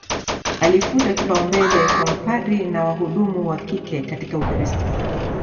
Alifuta kipaumbele kwa mapadri na wahudumu wa kike katika Ukristo